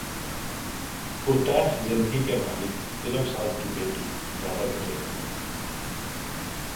پرتعیش زندگی کے مالک فلم ساز کی بیٹی ڈھابہ کیوں چلا رہی ہے